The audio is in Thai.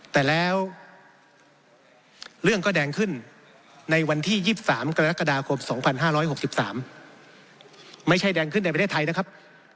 แต่แล้วเรื่องก็แดงขึ้นในวันที่๒๓กรกฎาคม๒๕๖๓ไม่ใช่แดงขึ้นในประเทศไทยนะครับ